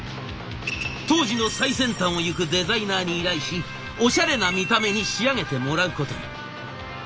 当時の最先端をゆくデザイナーに依頼しオシャレな見た目に仕上げてもらうことに。